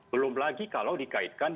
belum lagi kalau dikaitkan